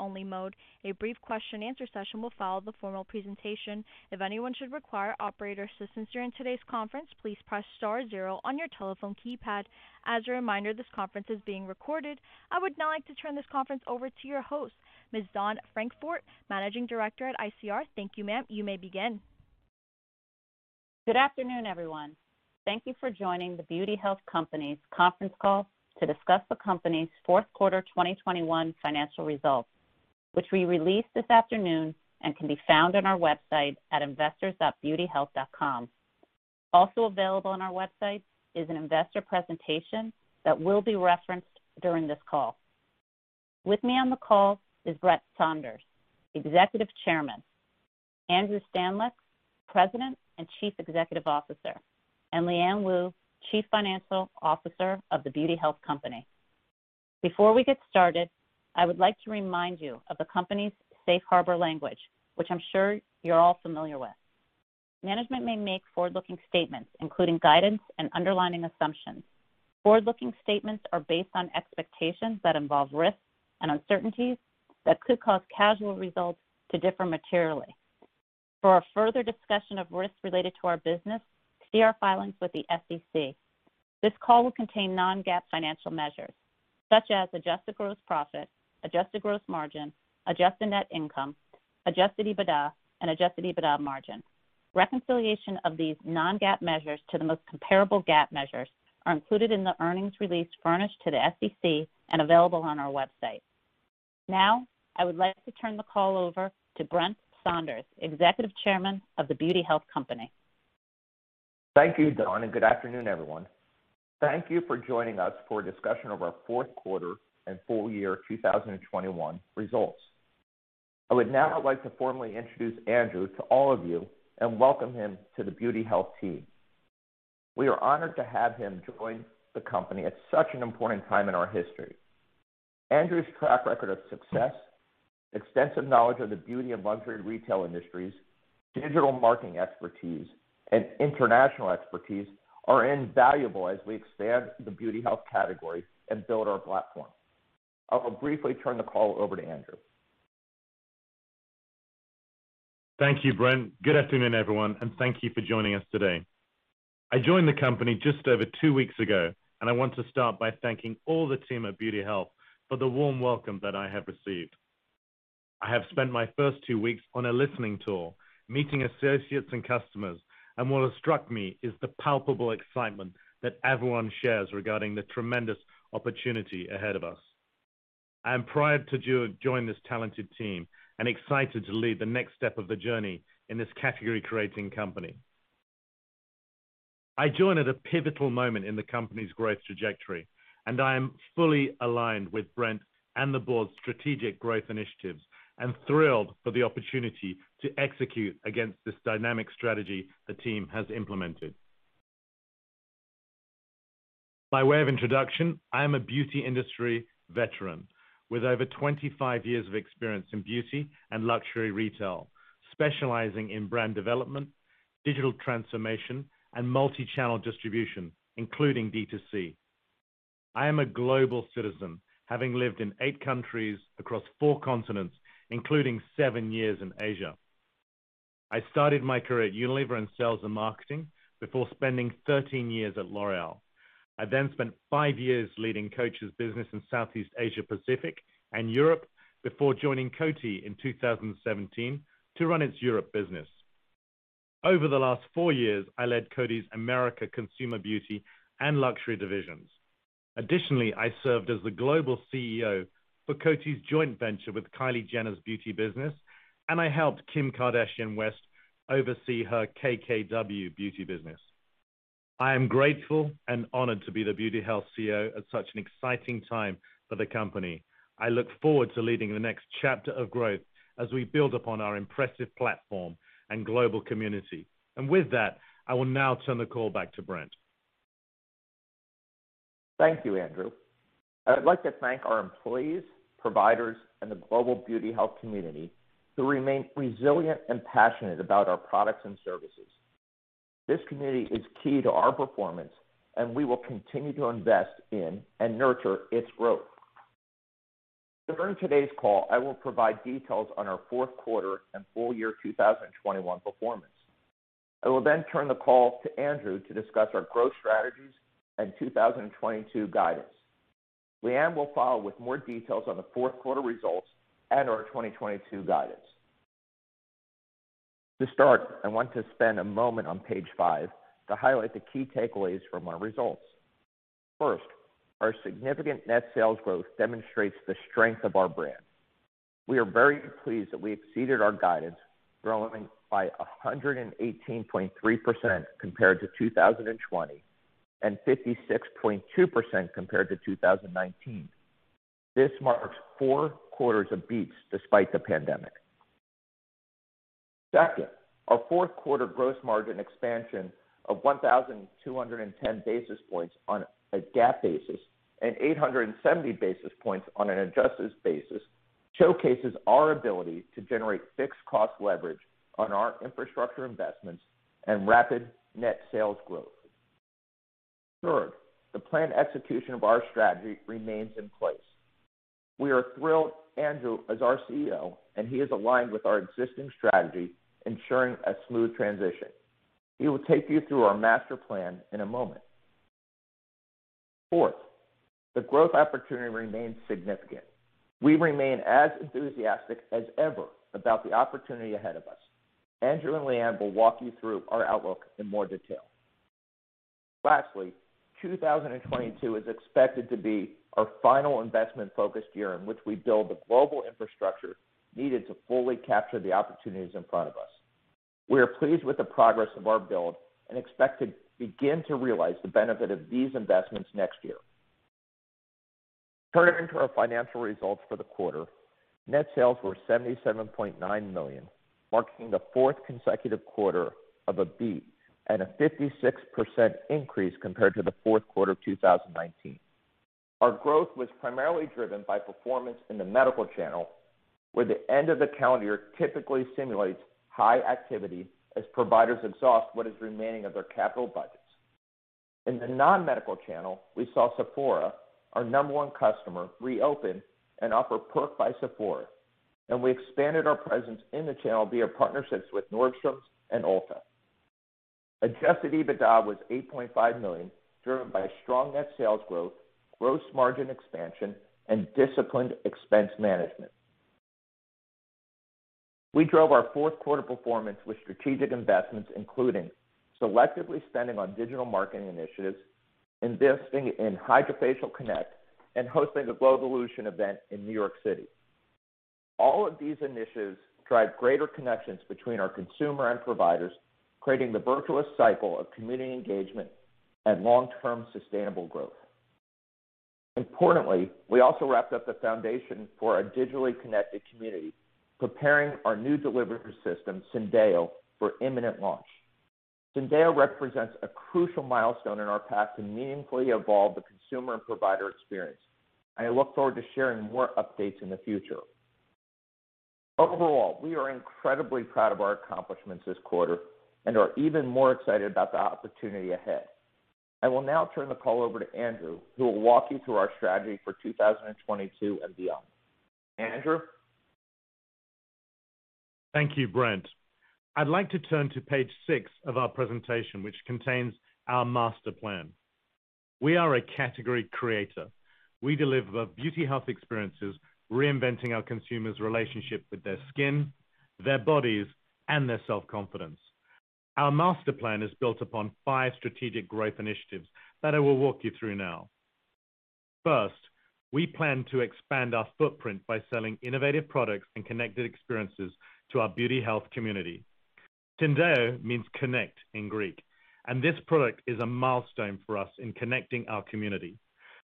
Listen-only mode. A brief question answer session will follow the formal presentation. If anyone should require operator assistance during today's conference, please press star zero on your telephone keypad. As a reminder, this conference is being recorded. I would now like to turn this conference over to your host, Ms. Dawn Francfort, Managing Director at ICR. Thank you, ma'am. You may begin. Good afternoon, everyone. Thank you for joining the Beauty Health Company's conference call to discuss the company's fourth quarter, 2021 financial results, which we released this afternoon and can be found on our website at investors.beautyhealth.com. Also available on our website is an investor presentation that will be referenced during this call. With me on the call is Brent Saunders, Executive Chairman, Andrew Stanleick, President and Chief Executive Officer, and Liyuan Woo, Chief Financial Officer of the Beauty Health Company. Before we get started, I would like to remind you of the company's safe harbor language, which I'm sure you're all familiar with. Management may make forward-looking statements, including guidance and underlying assumptions. Forward-looking statements are based on expectations that involve risks and uncertainties that could cause actual results to differ materially. For a further discussion of risks related to our business, see our filings with the SEC. This call will contain non-GAAP financial measures such as adjusted gross profit, adjusted gross margin, adjusted net income, adjusted EBITDA and adjusted EBITDA margin. Reconciliation of these non-GAAP measures to the most comparable GAAP measures are included in the earnings release furnished to the SEC and available on our website. Now, I would like to turn the call over to Brent Saunders, Executive Chairman of The Beauty Health Company. Thank you, Dawn, and good afternoon, everyone. Thank you for joining us for a discussion of our fourth quarter and full year 2021 results. I would now like to formally introduce Andrew to all of you and welcome him to the Beauty Health team. We are honored to have him join the company at such an important time in our history. Andrew's track record of success, extensive knowledge of the beauty and luxury retail industries, digital marketing expertise, and international expertise are invaluable as we expand the beauty health category and build our platform. I'll briefly turn the call over to Andrew. Thank you, Brent. Good afternoon, everyone, and thank you for joining us today. I joined the company just over two weeks ago, and I want to start by thanking all the team at Beauty Health for the warm welcome that I have received. I have spent my first two weeks on a listening tour, meeting associates and customers, and what has struck me is the palpable excitement that everyone shares regarding the tremendous opportunity ahead of us. I am proud to join this talented team and excited to lead the next step of the journey in this category-creating company. I join at a pivotal moment in the company's growth trajectory, and I am fully aligned with Brent and the board's strategic growth initiatives and thrilled for the opportunity to execute against this dynamic strategy the team has implemented. By way of introduction, I am a beauty industry veteran with over 25 years of experience in beauty and luxury retail, specializing in brand development, digital transformation, and multi-channel distribution, including D to C. I am a global citizen, having lived in eight countries across four continents, including seven years in Asia. I started my career at Unilever in sales and marketing before spending 13 years at L'Oréal. I then spent five years leading Coach's business in Southeast Asia Pacific and Europe before joining Coty in 2017 to run its Europe business. Over the last four years, I led Coty's America consumer beauty and luxury divisions. Additionally, I served as the global CEO for Coty's joint venture with Kylie Jenner's beauty business, and I helped Kim Kardashian West oversee her KKW Beauty business. I am grateful and honored to be the Beauty Health CEO at such an exciting time for the company. I look forward to leading the next chapter of growth as we build upon our impressive platform and global community. With that, I will now turn the call back to Brent. Thank you, Andrew. I'd like to thank our employees, providers, and the global Beauty Health community who remain resilient and passionate about our products and services. This community is key to our performance, and we will continue to invest in and nurture its growth. During today's call, I will provide details on our fourth quarter and full year 2021 performance. I will then turn the call to Andrew to discuss our growth strategies and 2022 guidance. Liyuan will follow with more details on the fourth quarter results and our 2022 guidance. To start, I want to spend a moment on page five to highlight the key takeaways from our results. First, our significant net sales growth demonstrates the strength of our brand. We are very pleased that we exceeded our guidance, growing by 118.3% compared to 2020, and 56.2% compared to 2019. This marks four quarters of beats despite the pandemic. Second, our fourth quarter gross margin expansion of 1,210 basis points on a GAAP basis and 870 basis points on an adjusted basis, showcases our ability to generate fixed cost leverage on our infrastructure investments and rapid net sales growth. Third, the planned execution of our strategy remains in place. We are thrilled Andrew is our CEO, and he is aligned with our existing strategy, ensuring a smooth transition. He will take you through our master plan in a moment. Fourth, the growth opportunity remains significant. We remain as enthusiastic as ever about the opportunity ahead of us. Andrew and Liyuan will walk you through our outlook in more detail. Lastly, 2022 is expected to be our final investment-focused year in which we build the global infrastructure needed to fully capture the opportunities in front of us. We are pleased with the progress of our build and expect to begin to realize the benefit of these investments next year. Turning to our financial results for the quarter, net sales were $77.9 million, marking the fourth consecutive quarter of a beat and a 56% increase compared to the fourth quarter of 2019. Our growth was primarily driven by performance in the medical channel, where the end of the calendar year typically stimulates high activity as providers exhaust what is remaining of their capital budgets. In the non-medical channel, we saw Sephora, our number one customer, reopen and offer Perk by Sephora, and we expanded our presence in the channel via partnerships with Nordstrom and Ulta. Adjusted EBITDA was $8.5 million, driven by strong net sales growth, gross margin expansion, and disciplined expense management. We drove our fourth quarter performance with strategic investments, including selectively spending on digital marketing initiatives, investing in HydraFacial CONNECT, and hosting the GLOWvolution event in New York City. All of these initiatives drive greater connections between our consumer and providers, creating the virtuous cycle of community engagement and long-term sustainable growth. Importantly, we also wrapped up the foundation for a digitally connected community, preparing our new delivery system, Syndeo, for imminent launch. Syndeo represents a crucial milestone in our path to meaningfully evolve the consumer and provider experience, and I look forward to sharing more updates in the future. Overall, we are incredibly proud of our accomplishments this quarter and are even more excited about the opportunity ahead. I will now turn the call over to Andrew, who will walk you through our strategy for 2022 and beyond. Andrew? Thank you, Brent. I'd like to turn to page six of our presentation, which contains our master plan. We are a category creator. We deliver Beauty Health experiences, reinventing our consumers' relationship with their skin, their bodies, and their self-confidence. Our master plan is built upon five strategic growth initiatives that I will walk you through now. First, we plan to expand our footprint by selling innovative products and connected experiences to our Beauty Health community. Syndeo means connect in Greek, and this product is a milestone for us in connecting our community.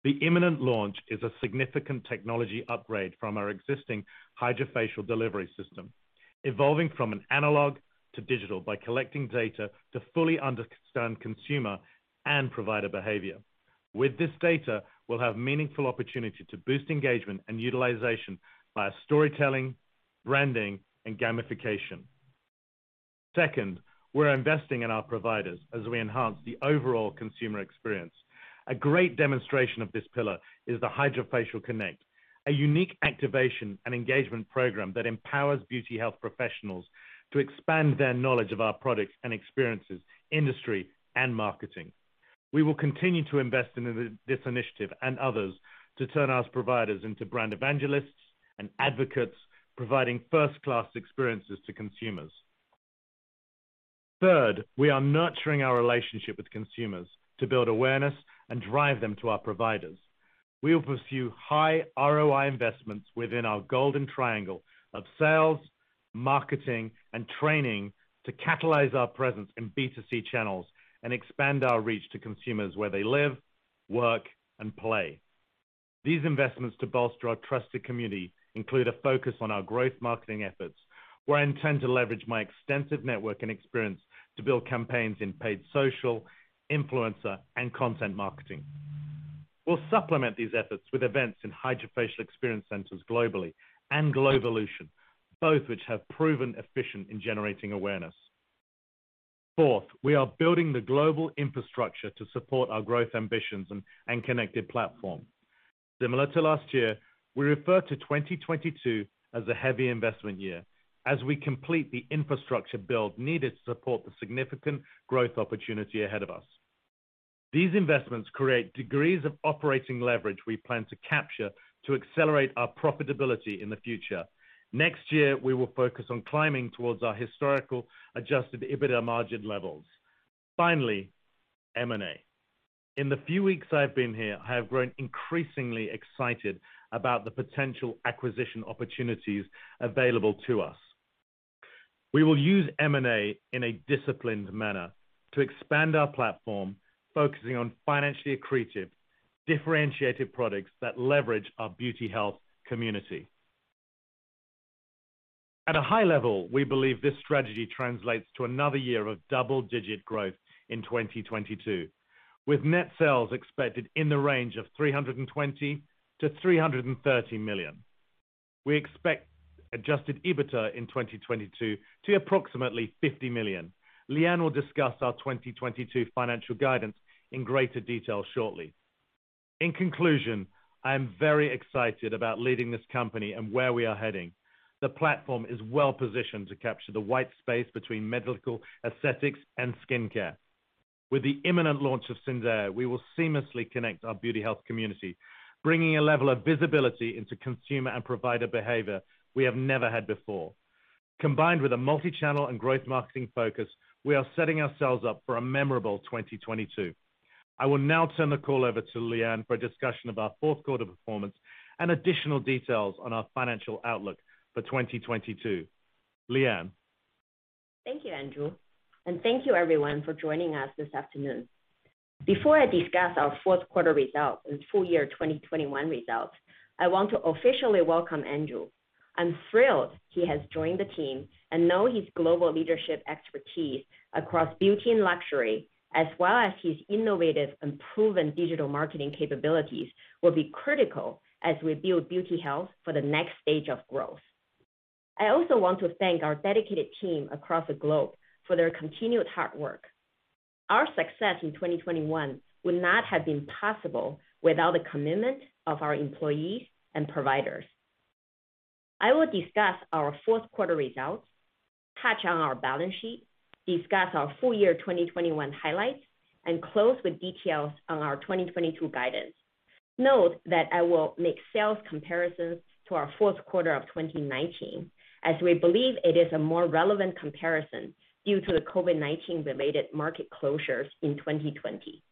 The imminent launch is a significant technology upgrade from our existing HydraFacial delivery system, evolving from an analog to digital by collecting data to fully understand consumer and provider behavior. With this data, we'll have meaningful opportunity to boost engagement and utilization via storytelling, branding, and gamification. Second, we're investing in our providers as we enhance the overall consumer experience. A great demonstration of this pillar is the HydraFacial CONNECT, a unique activation and engagement program that empowers beauty health professionals to expand their knowledge of our products and experiences, industry, and marketing. We will continue to invest in this initiative and others to turn our providers into brand evangelists and advocates, providing first-class experiences to consumers. Third, we are nurturing our relationship with consumers to build awareness and drive them to our providers. We will pursue high ROI investments within our golden triangle of sales, marketing, and training to catalyze our presence in B2C channels and expand our reach to consumers where they live, work, and play. These investments to bolster our trusted community include a focus on our growth marketing efforts, where I intend to leverage my extensive network and experience to build campaigns in paid social, influencer, and content marketing. We'll supplement these efforts with events in HydraFacial Experience Centers globally and GLOWvolution, both which have proven efficient in generating awareness. Fourth, we are building the global infrastructure to support our growth ambitions and connected platform. Similar to last year, we refer to 2022 as a heavy investment year as we complete the infrastructure build needed to support the significant growth opportunity ahead of us. These investments create degrees of operating leverage we plan to capture to accelerate our profitability in the future. Next year, we will focus on climbing towards our historical adjusted EBITDA margin levels. Finally, M&A. In the few weeks I've been here, I have grown increasingly excited about the potential acquisition opportunities available to us. We will use M&A in a disciplined manner to expand our platform, focusing on financially accretive, differentiated products that leverage our Beauty Health community. At a high level, we believe this strategy translates to another year of double-digit growth in 2022, with net sales expected in the range of $320 million-$330 million. We expect adjusted EBITDA in 2022 to approximately $50 million. Liyuan will discuss our 2022 financial guidance in greater detail shortly. In conclusion, I am very excited about leading this company and where we are heading. The platform is well positioned to capture the white space between medical aesthetics and skincare. With the imminent launch of Syndeo, we will seamlessly connect our Beauty Health community, bringing a level of visibility into consumer and provider behavior we have never had before. Combined with a multi-channel and growth marketing focus, we are setting ourselves up for a memorable 2022. I will now turn the call over to Liyuan for a discussion of our fourth quarter performance and additional details on our financial outlook for 2022. Liyuan. Thank you, Andrew, and thank you everyone for joining us this afternoon. Before I discuss our fourth quarter results and full year 2021 results, I want to officially welcome Andrew. I'm thrilled he has joined the team and know his global leadership expertise across beauty and luxury, as well as his innovative and proven digital marketing capabilities, will be critical as we build Beauty Health for the next stage of growth. I also want to thank our dedicated team across the globe for their continued hard work. Our success in 2021 would not have been possible without the commitment of our employees and providers. I will discuss our fourth quarter results, touch on our balance sheet, discuss our full year 2021 highlights, and close with details on our 2022 guidance. Note that I will make sales comparisons to our fourth quarter of 2019, as we believe it is a more relevant comparison due to the COVID-19 related market closures in 2020.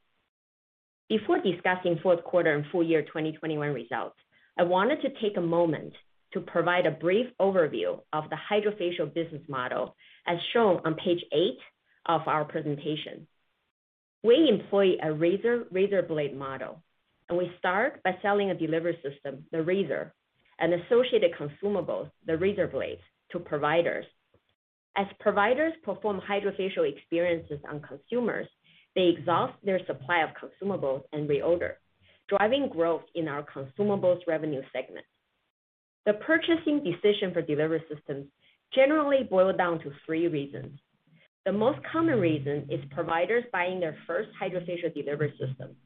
Before discussing fourth quarter and full year 2021 results, I wanted to take a moment to provide a brief overview of the HydraFacial business model, as shown on page eight of our presentation. We employ a razor-razor blade model, and we start by selling a delivery system, the razor, and associated consumables, the razor blades, to providers. As providers perform HydraFacial experiences on consumers, they exhaust their supply of consumables and reorder, driving growth in our consumables revenue segment. The purchasing decision for delivery systems generally boil down to three reasons. The most common reason is providers buying their first HydraFacial delivery system.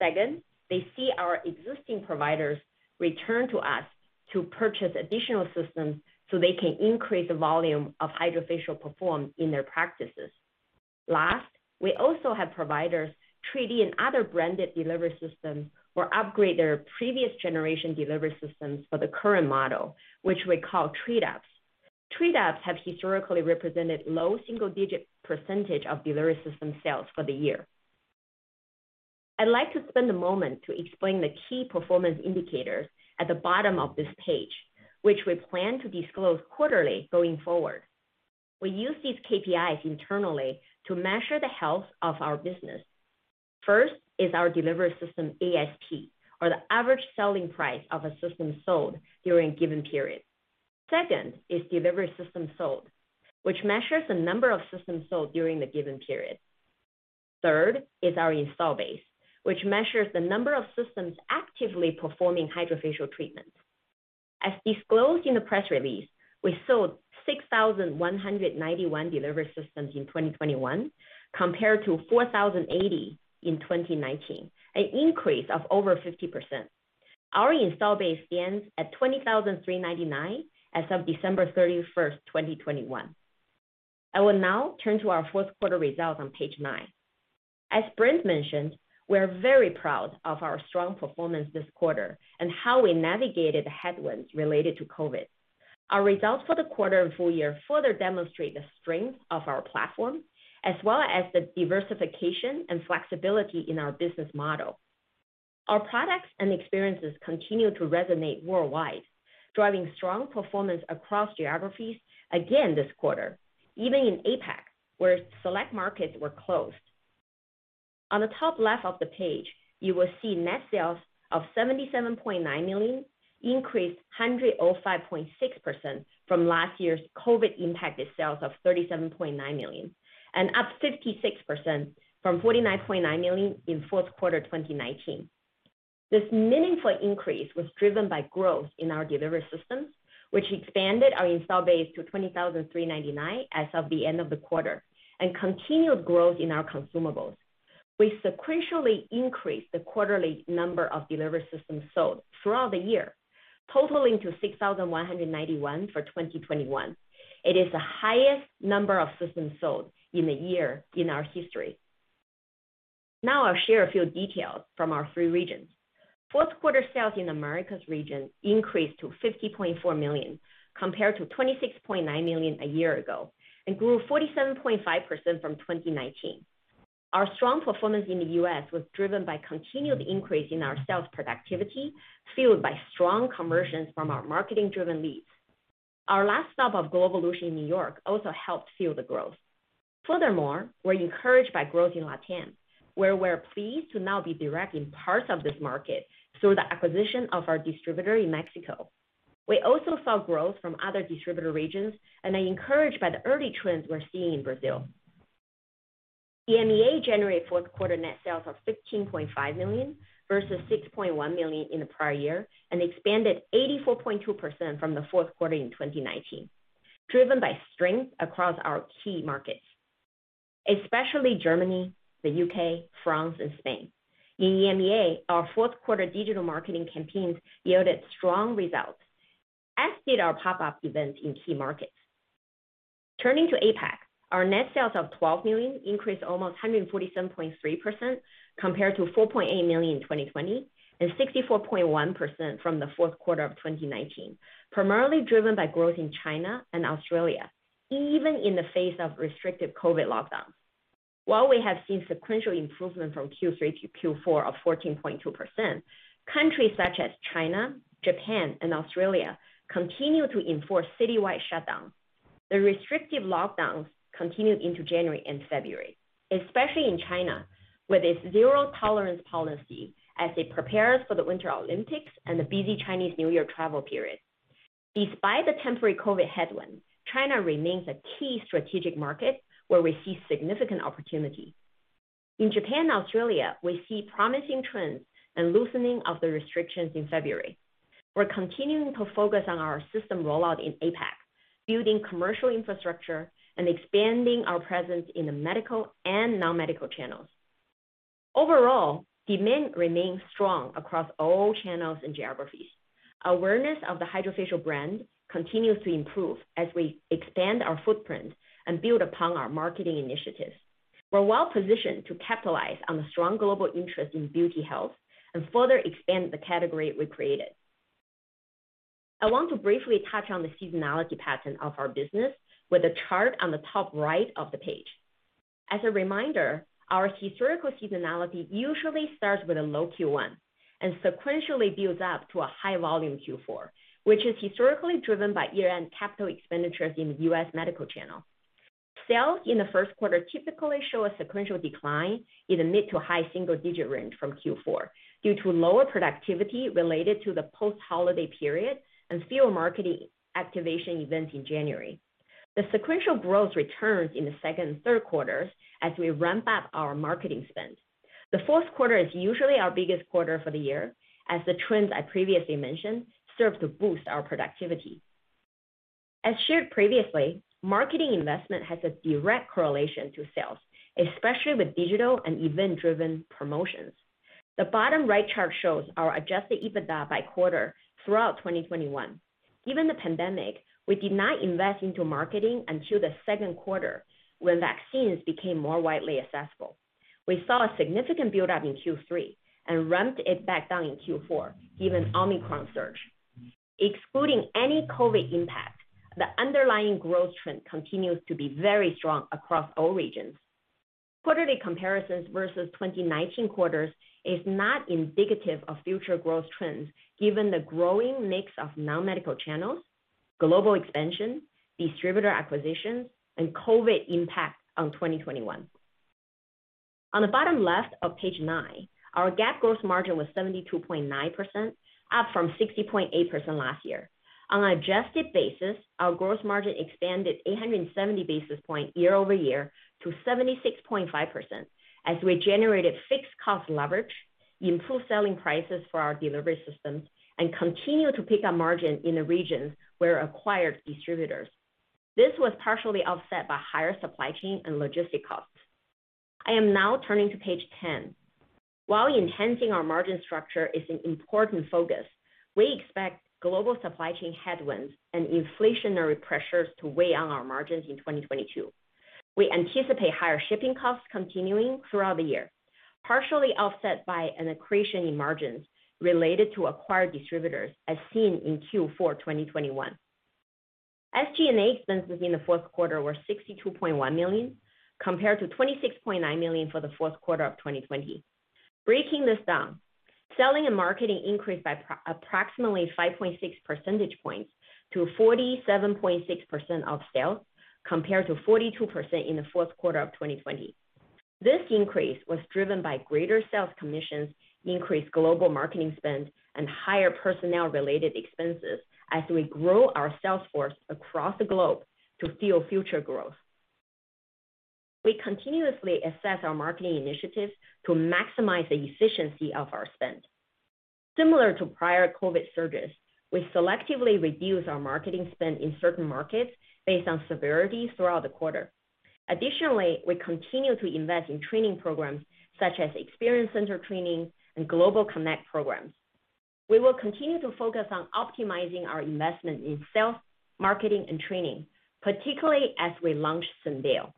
Second, they see our existing providers return to us to purchase additional systems so they can increase the volume of HydraFacial performed in their practices. Last, we also have providers trade in other branded delivery systems or upgrade their previous generation delivery systems for the current model, which we call trade ups. Trade ups have historically represented low single-digit percentage of delivery system sales for the year. I'd like to spend a moment to explain the key performance indicators at the bottom of this page, which we plan to disclose quarterly going forward. We use these KPIs internally to measure the health of our business. First is our delivery system ASP, or the average selling price of a system sold during a given period. Second is delivery system sold, which measures the number of systems sold during the given period. Third is our install base, which measures the number of systems actively performing HydraFacial treatments. As disclosed in the press release, we sold 6,191 delivery systems in 2021, compared to 4,080 in 2019, an increase of over 50%. Our install base stands at 20,399 as of December 31st, 2021. I will now turn to our fourth quarter results on page nine. As Brent mentioned, we're very proud of our strong performance this quarter and how we navigated the headwinds related to COVID. Our results for the quarter and full year further demonstrate the strength of our platform, as well as the diversification and flexibility in our business model. Our products and experiences continue to resonate worldwide, driving strong performance across geographies again this quarter, even in APAC, where select markets were closed. On the top left of the page, you will see net sales of $77.9 million increased 105.6% from last year's COVID impacted sales of $37.9 million and up 56% from $49.9 million in fourth quarter 2019. This meaningful increase was driven by growth in our delivery systems, which expanded our install base to 20,399 as of the end of the quarter, and continued growth in our consumables. We sequentially increased the quarterly number of delivery systems sold throughout the year, totaling to 6,191 for 2021. It is the highest number of systems sold in a year in our history. Now I'll share a few details from our three regions. Fourth quarter sales in Americas region increased to $50.4 million compared to $26.9 million a year ago and grew 47.5% from 2019. Our strong performance in the U.S. was driven by continued increase in our sales productivity, fueled by strong conversions from our marketing driven leads. Our last stop of GLOWvolution in New York also helped fuel the growth. Furthermore, we're encouraged by growth in LATAM, where we're pleased to now be direct in parts of this market through the acquisition of our distributor in Mexico. We also saw growth from other distributor regions, and are encouraged by the early trends we're seeing in Brazil. EMEA generated fourth quarter net sales of $15.5 million, versus $6.1 million in the prior year, and expanded 84.2% from the fourth quarter in 2019, driven by strength across our key markets, especially Germany, the U.K., France, and Spain. In EMEA, our fourth quarter digital marketing campaigns yielded strong results, as did our pop-up events in key markets. Turning to APAC, our net sales of $12 million increased almost 147.3% compared to $4.8 million in 2020, and 64.1% from the fourth quarter of 2019. Primarily driven by growth in China and Australia, even in the face of restrictive COVID lockdowns. While we have seen sequential improvement from Q3 to Q4 of 14.2%, countries such as China, Japan, and Australia continue to enforce citywide shutdowns. The restrictive lockdowns continued into January and February, especially in China, with its zero-tolerance policy as it prepares for the Winter Olympics and the busy Chinese New Year travel period. Despite the temporary COVID headwinds, China remains a key strategic market where we see significant opportunity. In Japan and Australia, we see promising trends and loosening of the restrictions in February. We're continuing to focus on our system rollout in APAC, building commercial infrastructure and expanding our presence in the medical and non-medical channels. Overall, demand remains strong across all channels and geographies. Awareness of the HydraFacial brand continues to improve as we expand our footprint and build upon our marketing initiatives. We're well-positioned to capitalize on the strong global interest in beauty health and further expand the category we created. I want to briefly touch on the seasonality pattern of our business with a chart on the top right of the page. As a reminder, our historical seasonality usually starts with a low Q1 and sequentially builds up to a high-volume Q4, which is historically driven by year-end capital expenditures in the U.S. medical channel. Sales in the first quarter typically show a sequential decline in the mid- to high-single-digit range from Q4 due to lower productivity related to the post-holiday period and fewer marketing activation events in January. The sequential growth returns in the second and third quarters as we ramp up our marketing spend. The fourth quarter is usually our biggest quarter for the year, as the trends I previously mentioned serve to boost our productivity. As shared previously, marketing investment has a direct correlation to sales, especially with digital and event-driven promotions. The bottom right chart shows our adjusted EBITDA by quarter throughout 2021. Given the pandemic, we did not invest into marketing until the second quarter, when vaccines became more widely accessible. We saw a significant buildup in Q3 and ramped it back down in Q4, given Omicron surge. Excluding any COVID impact, the underlying growth trend continues to be very strong across all regions. Quarterly comparisons versus 2019 quarters is not indicative of future growth trends given the growing mix of non-medical channels, global expansion, distributor acquisitions, and COVID impact on 2021. On the bottom left of page nine, our GAAP gross margin was 72.9%, up from 60.8% last year. On an adjusted basis, our gross margin expanded 870 basis points year-over-year to 76.5% as we generated fixed cost leverage, improved selling prices for our delivery systems, and continued to pick up margin in the regions where we acquired distributors. This was partially offset by higher supply chain and logistic costs. I am now turning to page 10. While enhancing our margin structure is an important focus, we expect global supply chain headwinds and inflationary pressures to weigh on our margins in 2022. We anticipate higher shipping costs continuing throughout the year, partially offset by an accretion in margins related to acquired distributors as seen in Q4 2021. SG&A expenses in the fourth quarter were $62.1 million, compared to $26.9 million for the fourth quarter of 2020. Breaking this down, selling and marketing increased by approximately 5.6 percentage points to 47.6% of sales, compared to 42% in the fourth quarter of 2020. This increase was driven by greater sales commissions, increased global marketing spend, and higher personnel-related expenses as we grow our sales force across the globe to fuel future growth. We continuously assess our marketing initiatives to maximize the efficiency of our spend. Similar to prior COVID surges, we selectively reduce our marketing spend in certain markets based on severity throughout the quarter. Additionally, we continue to invest in training programs such as Experience Center training and Global Connect programs. We will continue to focus on optimizing our investment in sales, marketing, and training, particularly as we launch Syndeo.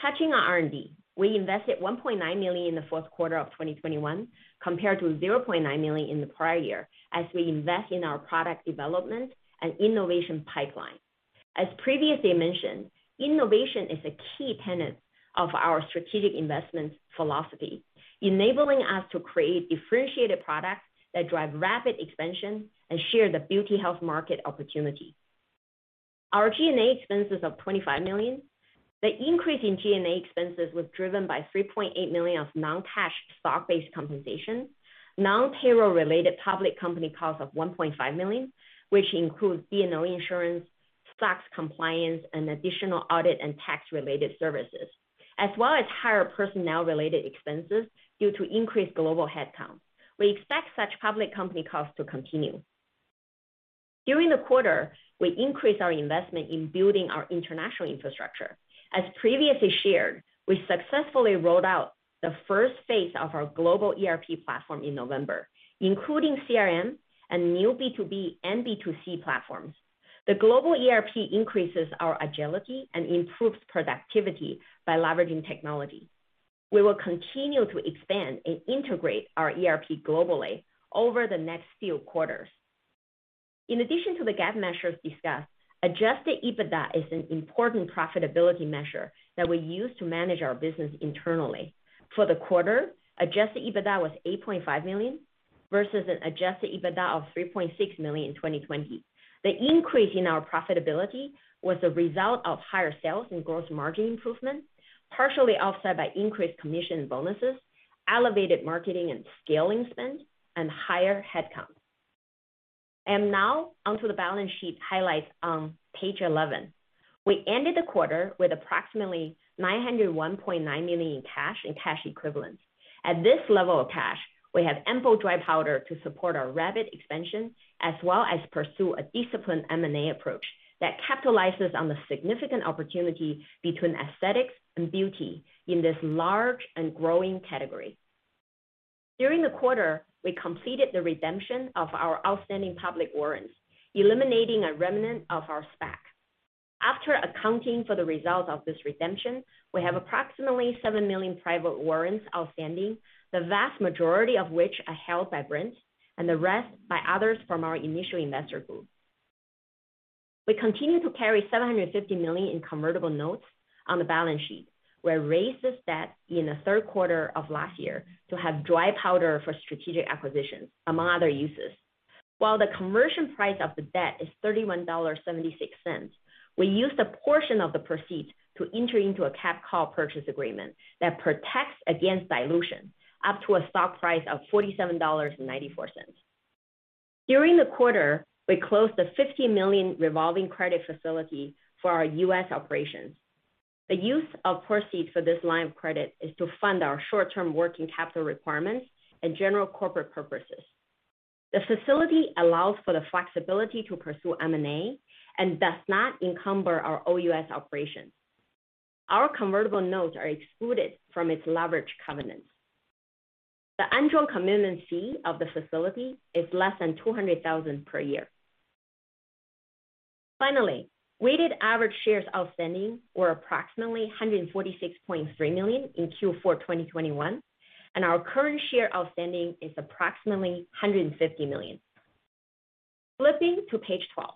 Touching on R&D, we invested $1.9 million in the fourth quarter of 2021 compared to $0.9 million in the prior year as we invest in our product development and innovation pipeline. As previously mentioned, innovation is a key tenet of our strategic investment philosophy, enabling us to create differentiated products that drive rapid expansion and share the Beauty Health market opportunity. Our G&A expenses of $25 million. The increase in G&A expenses was driven by $3.8 million of non-cash stock-based compensation, non-payroll related public company costs of $1.5 million, which includes D&O insurance, SOX compliance and additional audit and tax-related services, as well as higher personnel-related expenses due to increased global headcount. We expect such public company costs to continue. During the quarter, we increased our investment in building our international infrastructure. As previously shared, we successfully rolled out the first phase of our global ERP platform in November, including CRM and new B2B and B2C platforms. The global ERP increases our agility and improves productivity by leveraging technology. We will continue to expand and integrate our ERP globally over the next few quarters. In addition to the GAAP measures discussed, adjusted EBITDA is an important profitability measure that we use to manage our business internally. For the quarter, adjusted EBITDA was $8.5 million, versus an adjusted EBITDA of $3.6 million in 2020. The increase in our profitability was the result of higher sales and gross margin improvement, partially offset by increased commission and bonuses, elevated marketing and scaling spend, and higher headcount. Now onto the balance sheet highlights on page 11. We ended the quarter with approximately $901.9 million in cash and cash equivalents. At this level of cash, we have ample dry powder to support our rapid expansion, as well as pursue a disciplined M&A approach that capitalizes on the significant opportunity between aesthetics and beauty in this large and growing category. During the quarter, we completed the redemption of our outstanding public warrants, eliminating a remnant of our SPAC. After accounting for the results of this redemption, we have approximately 7 million private warrants outstanding, the vast majority of which are held by Brent and the rest by others from our initial investor group. We continue to carry $750 million in convertible notes on the balance sheet. We raised this debt in the third quarter of last year to have dry powder for strategic acquisitions, among other uses. While the conversion price of the debt is $31.76, we used a portion of the proceeds to enter into a capped call purchase agreement that protects against dilution up to a stock price of $47.94. During the quarter, we closed a $50 million revolving credit facility for our U.S. operations. The use of proceeds for this line of credit is to fund our short-term working capital requirements and general corporate purposes. The facility allows for the flexibility to pursue M&A and does not encumber our OUS operations. Our convertible notes are excluded from its leverage covenants. The undrawn commitment fee of the facility is less than $200,000 per year. Finally, weighted average shares outstanding were approximately 146.3 million in Q4 2021, and our current share outstanding is approximately 150 million. Flipping to page 12.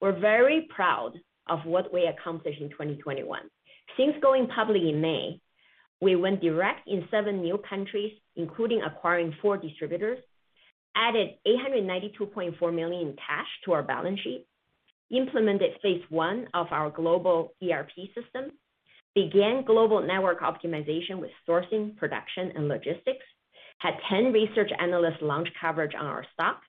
We're very proud of what we accomplished in 2021. Since going public in May, we went direct in seven new countries, including acquiring four distributors, added $892.4 million in cash to our balance sheet, implemented phase one of our global ERP system, began global network optimization with sourcing, production, and logistics, had 10 research analysts launch coverage on our stock,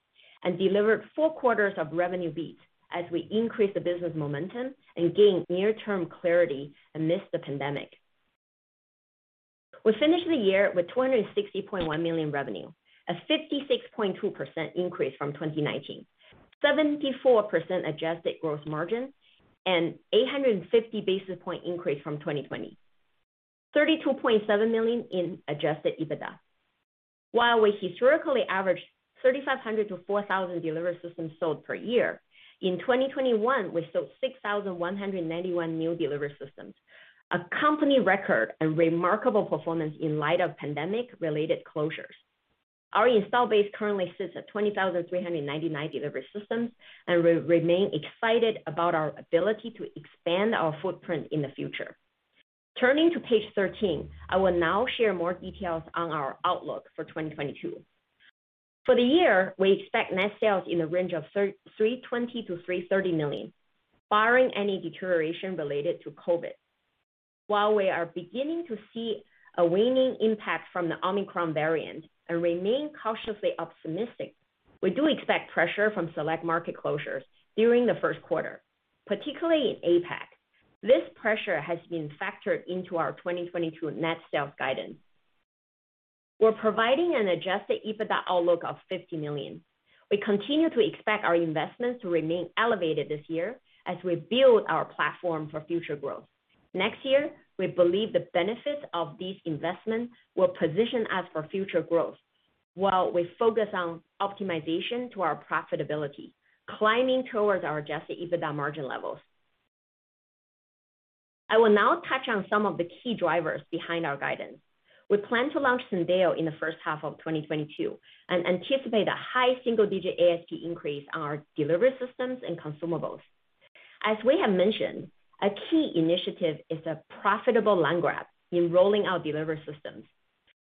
and delivered four quarters of revenue beats as we increased the business momentum and gained near-term clarity amidst the pandemic. We finished the year with $260.1 million revenue, a 56.2% increase from 2019. 74% adjusted gross margin and 850 basis point increase from 2020. $32.7 million in adjusted EBITDA. While we historically averaged 3,500-4,000 delivery systems sold per year, in 2021 we sold 6,191 new delivery systems, a company record and remarkable performance in light of pandemic-related closures. Our install base currently sits at 20,399 delivery systems, and we remain excited about our ability to expand our footprint in the future. Turning to page 13, I will now share more details on our outlook for 2022. For the year, we expect net sales in the range of $320 million-$330 million, barring any deterioration related to COVID. While we are beginning to see a waning impact from the Omicron variant and remain cautiously optimistic, we do expect pressure from select market closures during the first quarter, particularly in APAC. This pressure has been factored into our 2022 net sales guidance. We're providing an adjusted EBITDA outlook of $50 million. We continue to expect our investments to remain elevated this year as we build our platform for future growth. Next year, we believe the benefits of these investments will position us for future growth, while we focus on optimization to our profitability, climbing towards our adjusted EBITDA margin levels. I will now touch on some of the key drivers behind our guidance. We plan to launch Syndeo in the first half of 2022 and anticipate a high single-digit ASP increase on our delivery systems and consumables. As we have mentioned, a key initiative is a profitable land grab in rolling out delivery systems.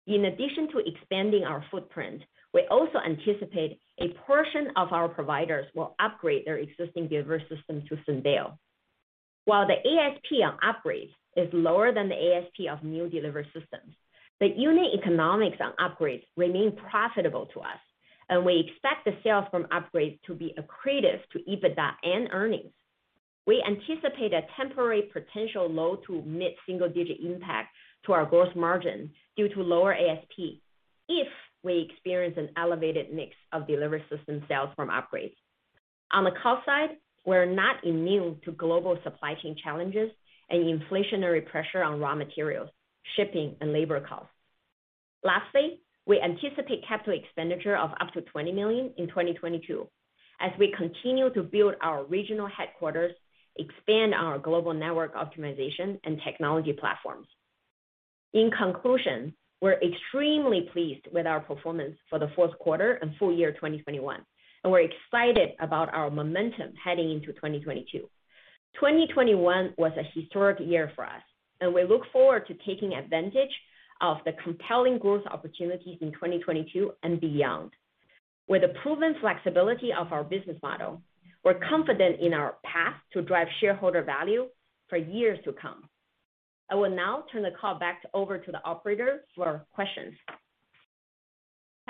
In addition to expanding our footprint, we also anticipate a portion of our providers will upgrade their existing delivery system to Syndeo. While the ASP on upgrades is lower than the ASP of new delivery systems, the unit economics on upgrades remain profitable to us, and we expect the sales from upgrades to be accretive to EBITDA and earnings. We anticipate a temporary potential low to mid single digit impact to our gross margin due to lower ASP if we experience an elevated mix of delivery system sales from upgrades. On the cost side, we're not immune to global supply chain challenges and inflationary pressure on raw materials, shipping and labor costs. Lastly, we anticipate capital expenditure of up to $20 million in 2022 as we continue to build our regional headquarters, expand our global network optimization and technology platforms. In conclusion, we're extremely pleased with our performance for the fourth quarter and full year 2021, and we're excited about our momentum heading into 2022. 2021 was a historic year for us, and we look forward to taking advantage of the compelling growth opportunities in 2022 and beyond. With the proven flexibility of our business model, we're confident in our path to drive shareholder value for years to come. I will now turn the call back over to the operator for questions.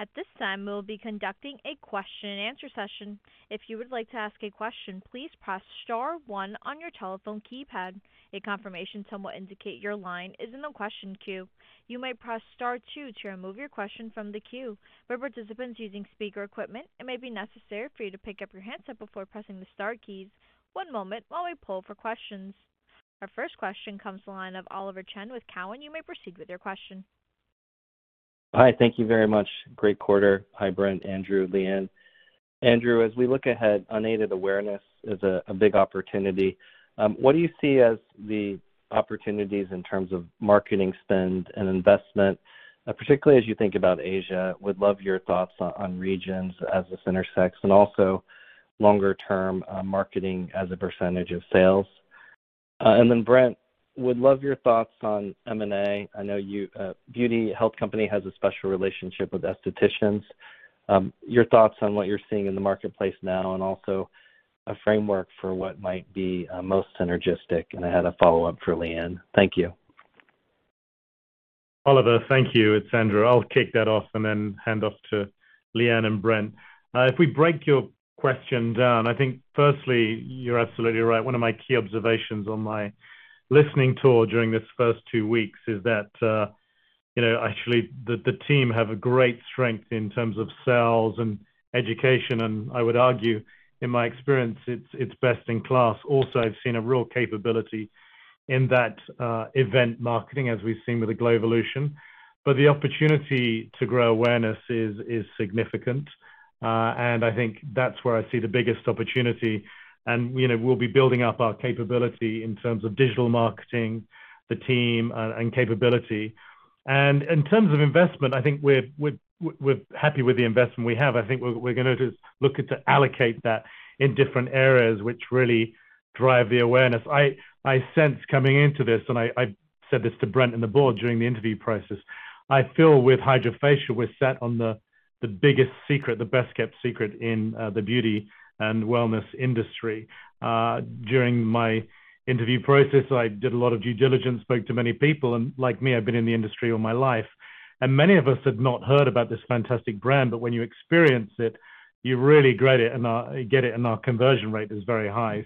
At this time, we will be conducting a question and answer session. If you would like to ask a question, please press star one on your telephone keypad. A confirmation tone will indicate your line is in the question queue. You may press star two to remove your question from the queue. For participants using speaker equipment, it may be necessary for you to pick up your handset before pressing the star keys. One moment while we pull for questions. Our first question comes from the line of Oliver Chen with Cowen. You may proceed with your question. Hi, thank you very much. Great quarter. Hi, Brent, Andrew, Liyuan. Andrew, as we look ahead, unaided awareness is a big opportunity. What do you see as the opportunities in terms of marketing spend and investment, particularly as you think about Asia? Would love your thoughts on regions as this intersects and also longer-term, marketing as a percentage of sales. And then Brent, would love your thoughts on M&A. I know you, The Beauty Health Company has a special relationship with aestheticians. Your thoughts on what you're seeing in the marketplace now and also a framework for what might be most synergistic. I had a follow-up for Liyuan. Thank you. Oliver, thank you. It's Andrew. I'll kick that off and then hand off to Liyuan and Brent. If we break your question down, I think firstly, you're absolutely right. One of my key observations on my listening tour during this first two weeks is that, you know, actually the team have a great strength in terms of sales and education, and I would argue in my experience, it's best in class. Also, I've seen a real capability in that, event marketing, as we've seen with the GLOWvolution. But the opportunity to grow awareness is significant, and I think that's where I see the biggest opportunity. You know, we'll be building up our capability in terms of digital marketing, the team and capability. In terms of investment, I think we're happy with the investment we have. I think we're gonna just look to allocate that in different areas which really drive the awareness. I sense coming into this, and I said this to Brent and the board during the interview process. I feel with HydraFacial, we're sat on the biggest secret, the best-kept secret in the beauty and wellness industry. During my interview process, I did a lot of due diligence, spoke to many people, and like me, I've been in the industry all my life, and many of us had not heard about this fantastic brand. When you experience it, you really grasp it, and get it, and our conversion rate is very high.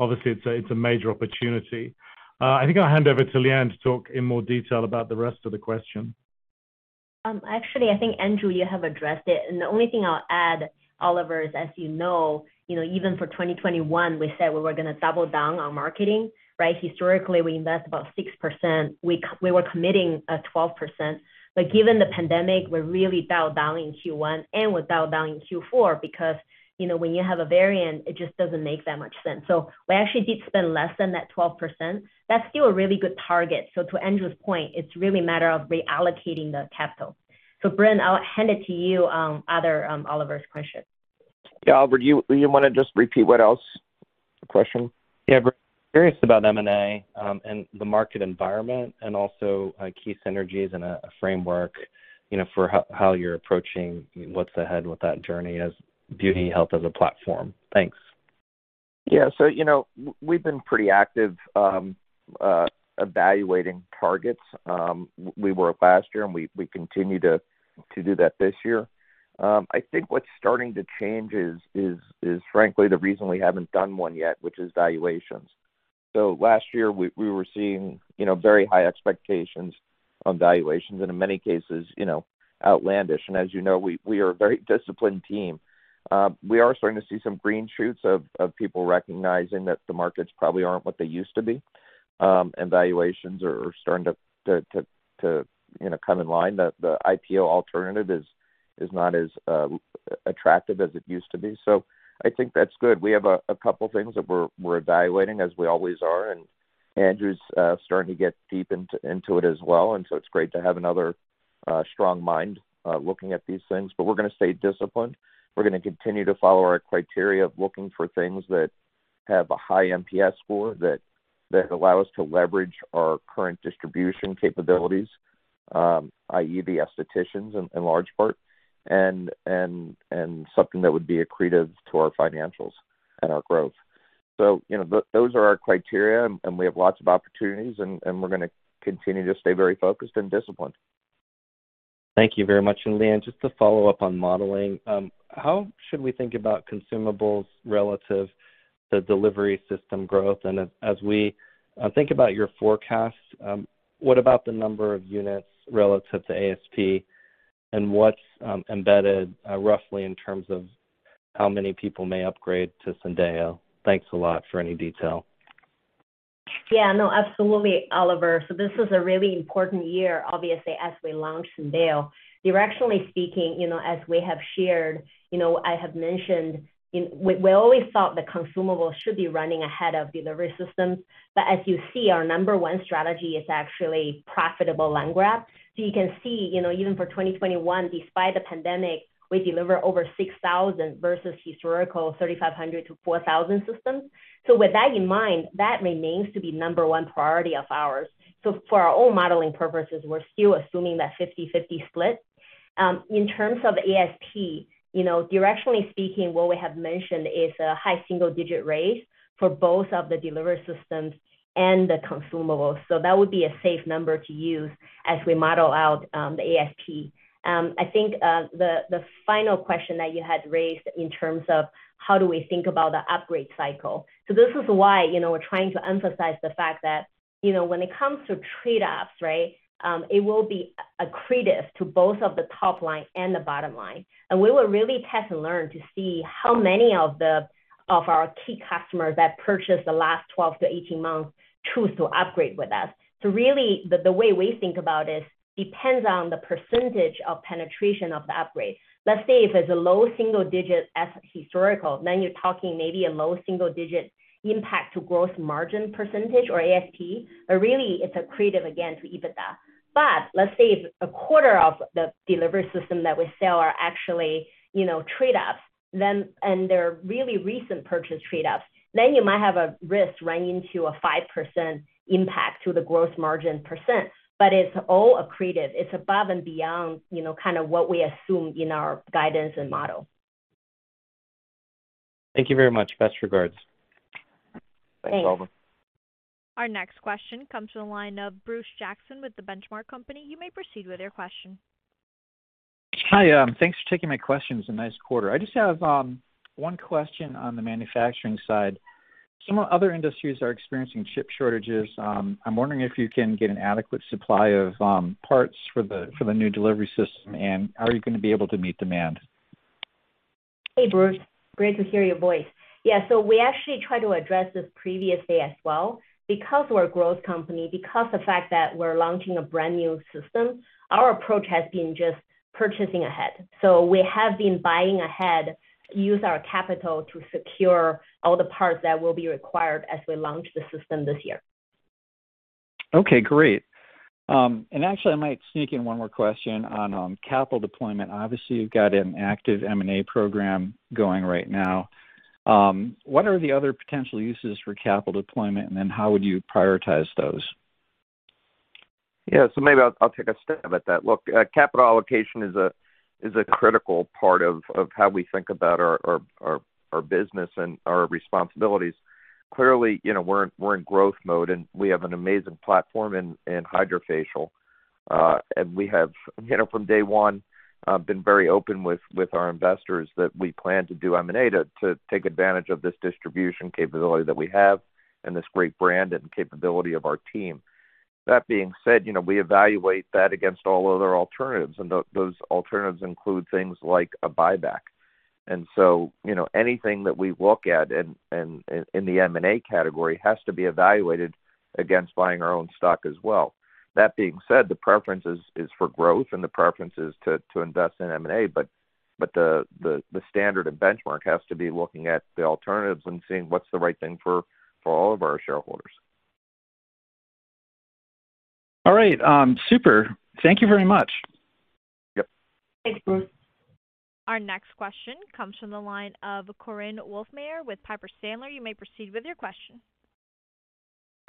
Obviously it's a major opportunity. I think I'll hand over to Liyuan to talk in more detail about the rest of the question. Actually, I think, Andrew, you have addressed it. The only thing I'll add, Oliver, is, as you know, you know, even for 2021, we said we were gonna double down on marketing, right? Historically, we invest about 6%. We were committing 12%. Given the pandemic, we're really double down in Q1 and we double down in Q4 because, you know, when you have a variant, it just doesn't make that much sense. We actually did spend less than that 12%. That's still a really good target. To Andrew's point, it's really a matter of reallocating the capital. Brent, I'll hand it to you on other Oliver's question. Yeah. Oliver, do you wanna just repeat what else? The question. Yeah. Curious about M&A, and the market environment and also, key synergies and a framework, you know, for how you're approaching what's ahead with that journey as Beauty Health as a platform. Thanks. Yeah. You know, we've been pretty active evaluating targets. We were last year, and we continue to do that this year. I think what's starting to change is frankly the reason we haven't done one yet, which is valuations. Last year we were seeing, you know, very high expectations on valuations and in many cases, you know, outlandish. As you know, we are a very disciplined team. We are starting to see some green shoots of people recognizing that the markets probably aren't what they used to be, and valuations are starting to, you know, come in line. The IPO alternative is not as attractive as it used to be. I think that's good. We have a couple things that we're evaluating as we always are, and Andrew's starting to get deep into it as well. It's great to have another strong mind looking at these things. We're gonna stay disciplined. We're gonna continue to follow our criteria of looking for things that have a high NPS score that allow us to leverage our current distribution capabilities, i.e., the aestheticians in large part, and something that would be accretive to our financials and our growth. You know, those are our criteria, and we have lots of opportunities and we're gonna continue to stay very focused and disciplined. Thank you very much. Liyuan, just to follow up on modeling. How should we think about consumables relative to delivery system growth? As we think about your forecast, what about the number of units relative to ASP, and what's embedded, roughly in terms of how many people may upgrade to Syndeo? Thanks a lot for any detail. Yeah, no, absolutely, Oliver. This is a really important year, obviously, as we launch Syndeo. Directionally speaking, you know, as we have shared, you know, I have mentioned. We always thought that consumables should be running ahead of delivery systems. As you see, our number one strategy is actually profitable land grab. You can see, you know, even for 2021, despite the pandemic, we deliver over 6,000 versus historical 3,500-4,000 systems. With that in mind, that remains to be number one priority of ours. For our own modeling purposes, we're still assuming that 50/50 split. In terms of ASP, you know, directionally speaking, what we have mentioned is a high single-digit rate for both of the delivery systems and the consumables. That would be a safe number to use as we model out the ASP. I think the final question that you had raised in terms of how do we think about the upgrade cycle. This is why, you know, we're trying to emphasize the fact that, you know, when it comes to trade-offs, right, it will be accretive to both of the top line and the bottom line. We will really test and learn to see how many of our key customers that purchased the last 12-18 months choose to upgrade with us. Really, the way we think about it depends on the percentage of penetration of the upgrade. Let's say if it's a low single digit as historical, then you're talking maybe a low single digit impact to gross margin percentage or ASP, but really it's accretive again to EBITDA. Let's say if a quarter of the delivery system that we sell are actually, you know, trade-offs, then and they're really recent purchase trade-offs, then you might have a risk running to a 5% impact to the gross margin percent. It's all accretive. It's above and beyond, you know, kind of what we assumed in our guidance and model. Thank you very much. Best regards. Thanks. Thanks, Oliver. Our next question comes from the line of Bruce Jackson with The Benchmark Company. You may proceed with your question. Hi, thanks for taking my questions. A nice quarter. I just have one question on the manufacturing side. Some other industries are experiencing chip shortages. I'm wondering if you can get an adequate supply of parts for the new delivery system, and are you gonna be able to meet demand? Hey, Bruce, great to hear your voice. Yeah, we actually tried to address this previously as well. Because we're a growth company, because the fact that we're launching a brand new system, our approach has been just purchasing ahead. We have been buying ahead, use our capital to secure all the parts that will be required as we launch the system this year. Okay, great. Actually, I might sneak in one more question on capital deployment. Obviously, you've got an active M&A program going right now. What are the other potential uses for capital deployment, and then how would you prioritize those? Maybe I'll take a stab at that. Look, capital allocation is a critical part of how we think about our business and our responsibilities. Clearly, we're in growth mode, and we have an amazing platform in HydraFacial. We have from day one been very open with our investors that we plan to do M&A to take advantage of this distribution capability that we have and this great brand and capability of our team. That being said, we evaluate that against all other alternatives, and those alternatives include things like a buyback. Anything that we look at in the M&A category has to be evaluated against buying our own stock as well. That being said, the preference is for growth and the preference is to invest in M&A, but the standard of Benchmark has to be looking at the alternatives and seeing what's the right thing for all of our shareholders. All right. Super. Thank you very much. Yep. Thanks, Bruce. Our next question comes from the line of Korinne Wolfmeyer with Piper Sandler. You may proceed with your question.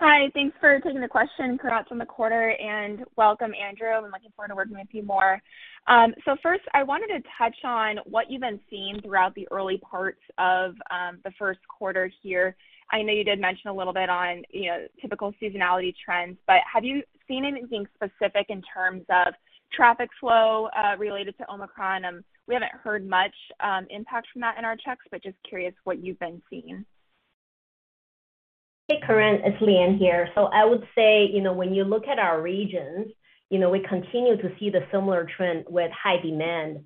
Hi. Thanks for taking the question. Congrats on the quarter, and welcome, Andrew. I'm looking forward to working with you more. First, I wanted to touch on what you've been seeing throughout the early parts of the first quarter here. I know you did mention a little bit on, you know, typical seasonality trends, but have you seen anything specific in terms of traffic flow related to Omicron? We haven't heard much impact from that in our checks, but just curious what you've been seeing. Hey, Korinne, it's Liyuan here. I would say, you know, when you look at our regions, you know, we continue to see the similar trend with high demand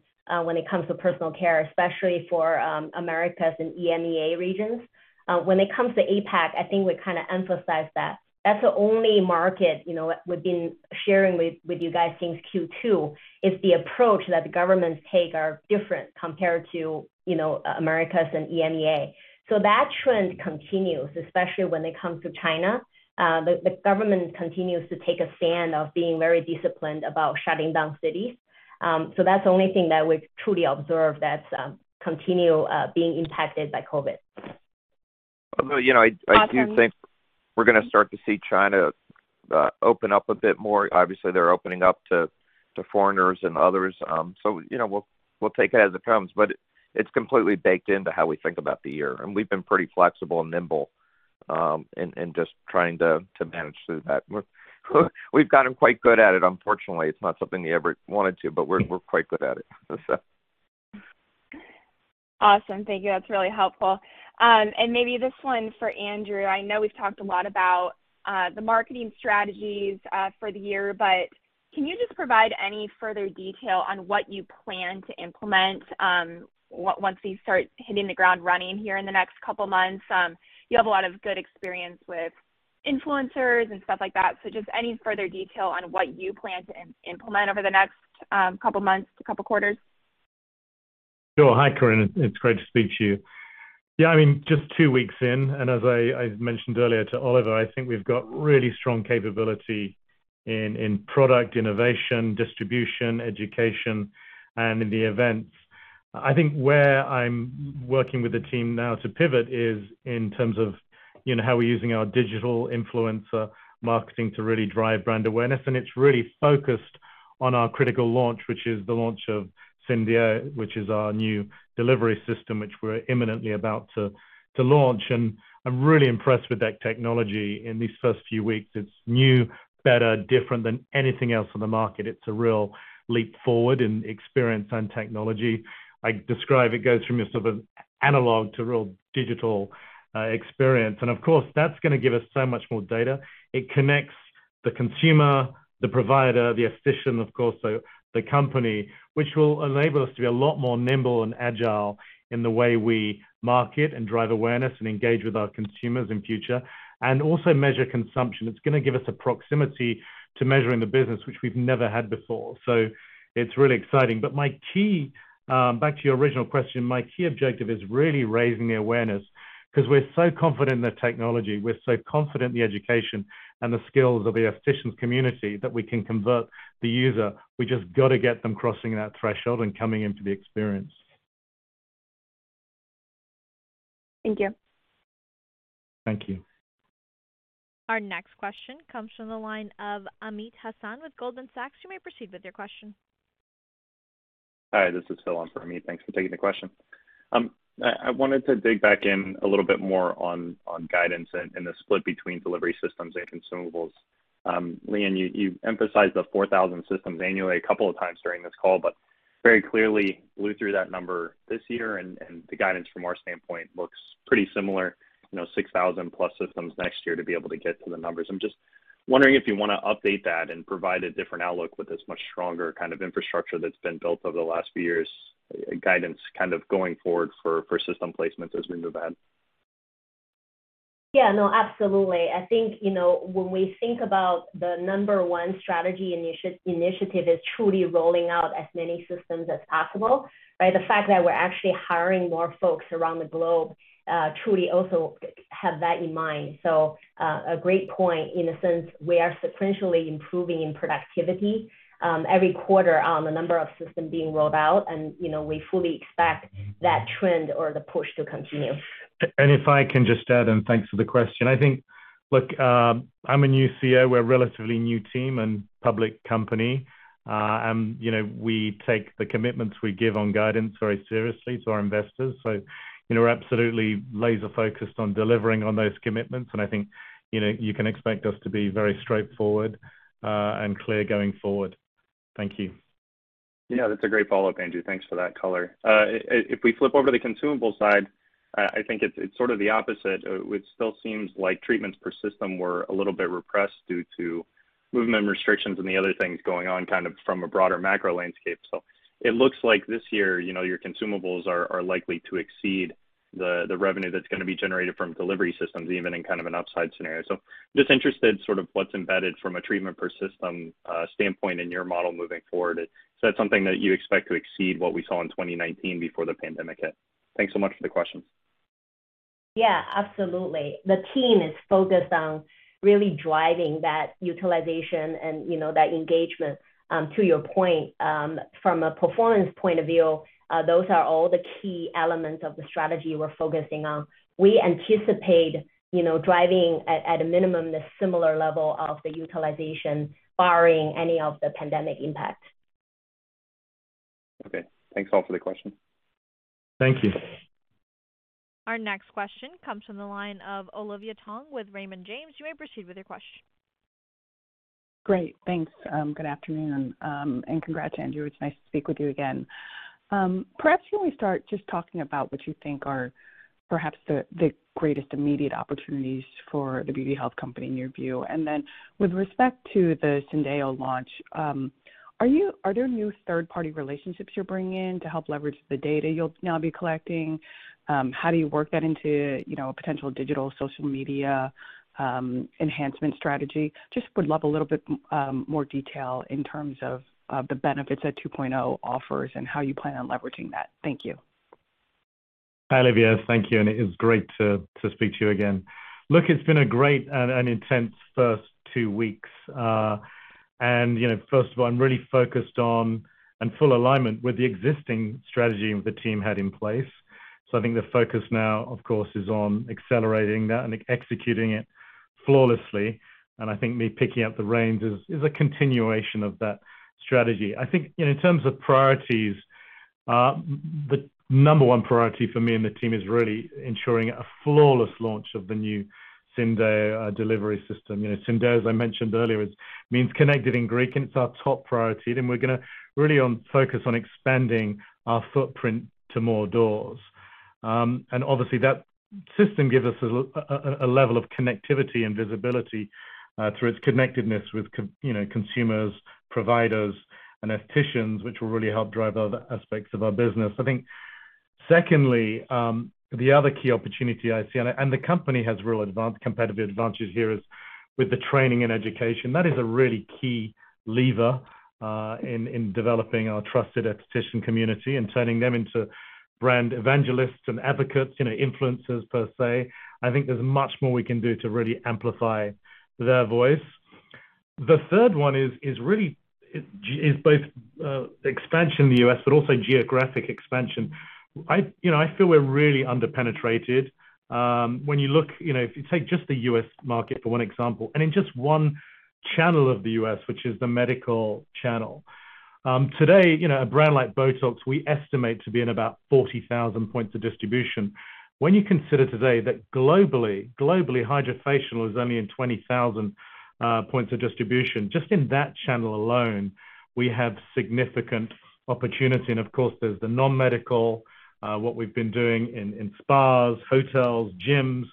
when it comes to personal care, especially for Americas and EMEA regions. When it comes to APAC, I think we kinda emphasize that. That's the only market, you know, we've been sharing with you guys since Q2, is the approach that the governments take are different compared to, you know, Americas and EMEA. That trend continues, especially when it comes to China. The government continues to take a stand of being very disciplined about shutting down cities. That's the only thing that we've truly observed that's continuing being impacted by COVID. Although, you know, I do think we're gonna start to see China open up a bit more. Obviously, they're opening up to foreigners and others. You know, we'll take it as it comes, but it's completely baked into how we think about the year. We've been pretty flexible and nimble in just trying to manage through that. We've gotten quite good at it, unfortunately. It's not something you ever wanted to, but we're quite good at it. Awesome. Thank you. That's really helpful. Maybe this one for Andrew. I know we've talked a lot about the marketing strategies for the year, but can you just provide any further detail on what you plan to implement once you start hitting the ground running here in the next couple of months? You have a lot of good experience with influencers and stuff like that. Just any further detail on what you plan to implement over the next couple of months, couple quarters. Sure. Hi, Korinne. It's great to speak to you. Yeah, I mean, just two weeks in, and as I mentioned earlier to Oliver, I think we've got really strong capability in product innovation, distribution, education, and in the events. I think where I'm working with the team now to pivot is in terms of, you know, how we're using our digital influencer marketing to really drive brand awareness. It's really focused on our critical launch, which is the launch of Syndeo, which is our new delivery system, which we're imminently about to launch. I'm really impressed with that technology in these first few weeks. It's new, better, different than anything else on the market. It's a real leap forward in experience and technology. I describe it goes from your sort of analog to real digital experience. Of course, that's gonna give us so much more data. It connects the consumer, the provider, the esthetician, of course, so the company, which will enable us to be a lot more nimble and agile in the way we market and drive awareness and engage with our consumers in future, and also measure consumption. It's gonna give us a proximity to measuring the business, which we've never had before. It's really exciting. My key, back to your original question, my key objective is really raising the awareness because we're so confident in the technology, we're so confident in the education and the skills of the esthetician community that we can convert the user. We just got to get them crossing that threshold and coming into the experience. Thank you. Thank you. Our next question comes from the line of Amit Hazan with Goldman Sachs. You may proceed with your question. Hi, this is Phil on for Amit. Thanks for taking the question. I wanted to dig back in a little bit more on guidance and the split between delivery systems and consumables. Liyuan, you emphasized the 4,000 systems annually a couple of times during this call, but very clearly blew through that number this year, and the guidance from our standpoint looks pretty similar, you know, 6,000+ systems next year to be able to get to the numbers. I'm just wondering if you wanna update that and provide a different outlook with this much stronger kind of infrastructure that's been built over the last few years, guidance kind of going forward for system placements as we move ahead. Yeah, no, absolutely. I think, you know, when we think about the number one strategy initiative is truly rolling out as many systems as possible, right? The fact that we're actually hiring more folks around the globe truly also have that in mind. A great point in a sense we are sequentially improving in productivity every quarter on the number of system being rolled out. You know, we fully expect that trend or the push to continue. If I can just add, thanks for the question. I think, look, I'm a new CEO, we're a relatively new team and public company. You know, we take the commitments we give on guidance very seriously to our investors. You know, we're absolutely laser-focused on delivering on those commitments. I think, you know, you can expect us to be very straightforward, and clear going forward. Thank you. Yeah, that's a great follow-up, Andrew. Thanks for that color. If we flip over to the consumable side, I think it's sort of the opposite. It still seems like treatments per system were a little bit repressed due to movement restrictions and the other things going on kind of from a broader macro landscape. It looks like this year, you know, your consumables are likely to exceed the revenue that's gonna be generated from delivery systems, even in kind of an upside scenario. Just interested sort of what's embedded from a treatment per system standpoint in your model moving forward. Is that something that you expect to exceed what we saw in 2019 before the pandemic hit? Thanks so much for the question. Yeah, absolutely. The team is focused on really driving that utilization and, you know, that engagement, to your point. From a performance point of view, those are all the key elements of the strategy we're focusing on. We anticipate, you know, driving at a minimum, the similar level of the utilization barring any of the pandemic impact. Okay. Thanks all for the question. Thank you. Our next question comes from the line of Olivia Tong with Raymond James. You may proceed with your question. Great. Thanks. Good afternoon. And congrats, Andrew. It's nice to speak with you again. Perhaps can we start just talking about what you think are perhaps the greatest immediate opportunities for The Beauty Health Company in your view. Then with respect to the Syndeo launch, are there new third-party relationships you're bringing in to help leverage the data you'll now be collecting? How do you work that into, you know, a potential digital social media enhancement strategy? Just would love a little bit more detail in terms of the benefits that 2.0 offers and how you plan on leveraging that. Thank you. Hi, Olivia. Thank you, and it is great to speak to you again. Look, it's been a great and intense first two weeks. You know, first of all, I'm really focused on and in full alignment with the existing strategy the team had in place. I think the focus now, of course, is on accelerating that and executing it flawlessly. I think me picking up the reins is a continuation of that strategy. I think in terms of priorities, the number one priority for me and the team is really ensuring a flawless launch of the new Syndeo delivery system. You know, Syndeo, as I mentioned earlier, means connected in Greek, and it's our top priority. We're gonna really focus on expanding our footprint to more doors. Obviously that system gives us a level of connectivity and visibility through its connectedness with you know, consumers, providers, and aestheticians, which will really help drive other aspects of our business. I think secondly, the other key opportunity I see and the company has real competitive advantages here is with the training and education. That is a really key lever in developing our trusted esthetician community and turning them into brand evangelists and advocates, you know, influencers per se. I think there's much more we can do to really amplify their voice. The third one is both expansion in the U.S., but also geographic expansion. I you know, I feel we're really under penetrated. When you look, you know, if you take just the U.S. market, for one example, and in just one channel of the U.S., which is the medical channel. Today, you know, a brand like BOTOX, we estimate to be in about 40,000 points of distribution. When you consider today that globally HydraFacial is only in 20,000 points of distribution, just in that channel alone, we have significant opportunity. Of course, there's the non-medical, what we've been doing in spas, hotels, gyms,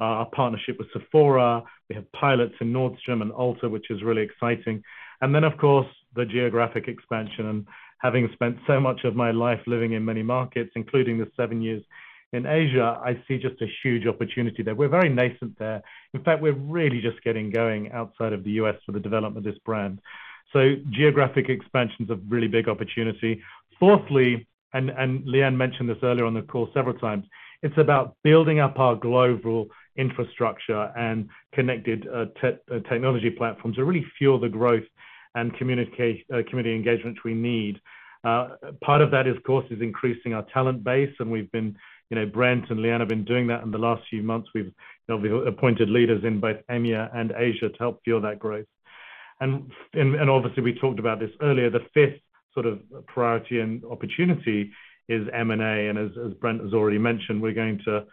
our partnership with Sephora. We have pilots in Nordstrom and Ulta, which is really exciting. Of course, the geographic expansion. Having spent so much of my life living in many markets, including the seven years in Asia, I see just a huge opportunity there. We're very nascent there. In fact, we're really just getting going outside of the U.S. for the development of this brand. Geographic expansion is a really big opportunity. Fourthly, and Liyuan mentioned this earlier on the call several times, it's about building up our global infrastructure and connected technology platforms to really fuel the growth and community engagement we need. Part of that, of course, is increasing our talent base, and we've been, you know, Brent and Liyuan have been doing that in the last few months. We've, you know, appointed leaders in both EMEA and Asia to help fuel that growth. Obviously, we talked about this earlier, the fifth sort of priority and opportunity is M&A. As Brent has already mentioned, we're going to